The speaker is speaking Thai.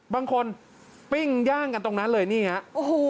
บางคนปิ้งย่างกันตรงนั้นเลยนี่ฮะโอ้โห